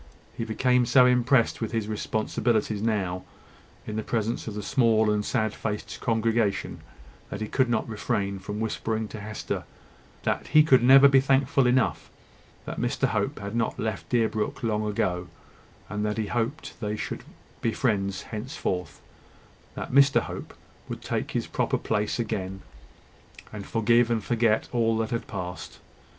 He became so impressed with his responsibilities now, in the presence of the small and sad faced congregation, that he could not refrain from whispering to Hester, that he could never be thankful enough that Mr Hope had not left Deerbrook long ago, and that he hoped they should be friends henceforth, that Mr Hope would take his proper place again, and forgive and forget all that had passed.